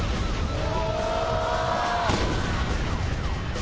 お！